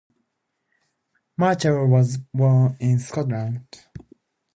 Marshall was born in Fochabers, Scotland.